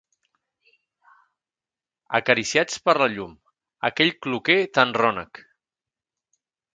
...acariciats per la llum; aquell cloquer tan rònec